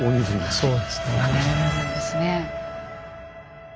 そうですねえ。